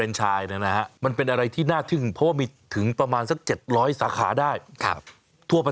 ออกจากการมุมของพ่อค้า